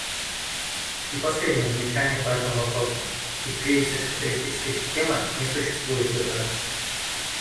И последнее замечание по этому вопросу — из кризиса капиталистической системы не существует выхода.